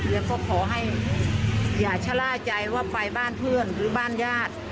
แล้วก็ขอให้อย่าชะล่าใจว่าไปบ้านเพื่อนหรือบ้านญาติ